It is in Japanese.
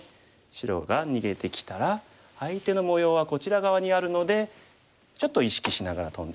白が逃げてきたら相手の模様はこちら側にあるのでちょっと意識しながらトンでいく。